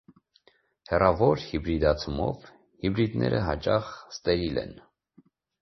Հեռավոր հիբրիդացումով, հիբրիդները հաճախ ստերիլ են։